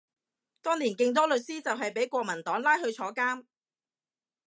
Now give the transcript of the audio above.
當年勁多律師就係畀國民黨拉去坐監